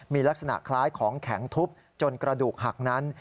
มีลักษณะคล้ายของแข็งทุบจนกระดูกหักนั้น